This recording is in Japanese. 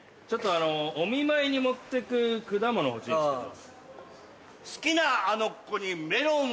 お見舞いに持ってく果物欲しいんですけど。